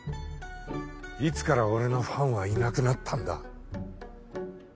いつから俺のファンはいなくなったんだ？